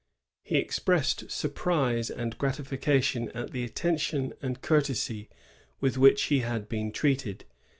'* He expressed surprise and gratification at the atten tion and courtesy with which he had been treated.